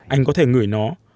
anh có thể ngửi nó